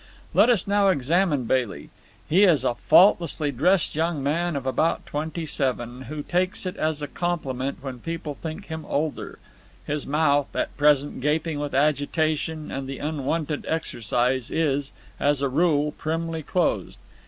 Let us now examine Bailey. He is a faultlessly dressed young man of about twenty seven, who takes it as a compliment when people think him older. His mouth, at present gaping with agitation and the unwonted exercise, is, as a rule, primly closed.